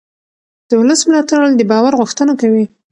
د ولس ملاتړ د باور غوښتنه کوي